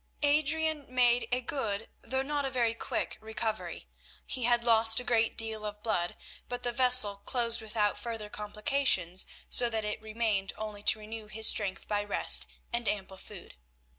_" Adrian made a good, though not a very quick recovery. He had lost a great deal of blood, but the vessel closed without further complications, so that it remained only to renew his strength by rest and ample food.